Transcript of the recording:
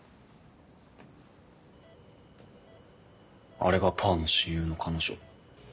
あれがパーの親友の彼女。